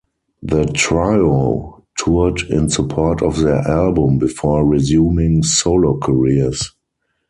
The trio toured in support of their album before resuming solo careers.